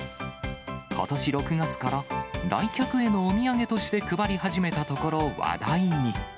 ことし６月から来客へのお土産として配り始めたところ、話題に。